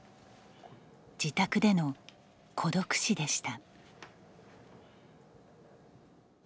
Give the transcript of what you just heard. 自宅での孤独死でした。